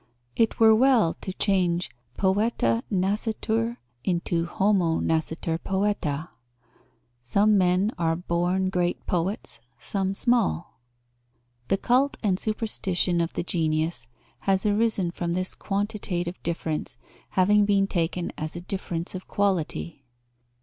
It were well to change poeta nascitur into homo nascitur poeta: some men are born great poets, some small. The cult and superstition of the genius has arisen from this quantitative difference having been taken as a difference of quality.